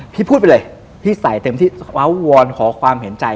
พี่พูดไปเลยพี่ใส่เต็มที่สวัสดีขอความเห็นใจ